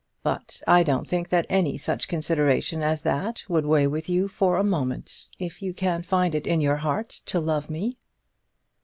But I don't think that any such consideration as that would weigh with you for a moment, if you can find it in your heart to love me."